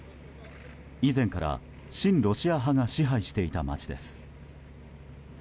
以前から親ロシア派が支配していた街です。